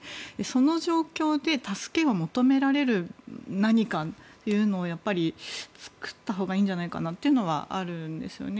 その状況で助けを求められる何かというのをやっぱり作ったほうがいいんじゃないかというのはあるんですよね。